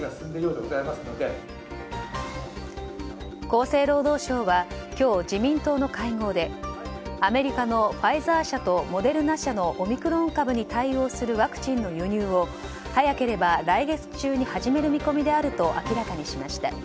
厚生労働省は今日自民党の会合でアメリカのファイザー社とモデルナ社のオミクロン株に対応するワクチンの輸入を早ければ来月中に始める見込みであると明らかにしました。